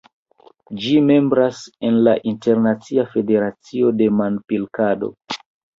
Ĝi membras en la Internacia Federacio de Manpilkado.